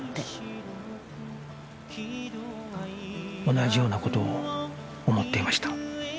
同じような事を思っていました